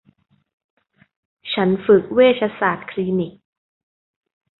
ฉันฝึกเวชศาสตร์คลินิก